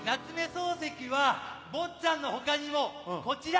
漱石は『坊っちゃん』の他にもこちら。